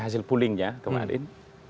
hasil pulingnya kemarin